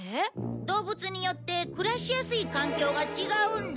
動物によって暮らしやすい環境が違うんだ。